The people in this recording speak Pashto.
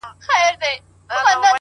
کوټي ته درځمه گراني!